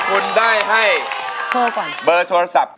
คุณได้ให้เบอร์โทรศัพท์